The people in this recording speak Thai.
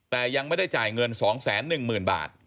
แต่ยังไม่ได้จ่ายเงิน๒แสน๑หมื่นบาท